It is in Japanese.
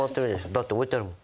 だって置いてあるもん。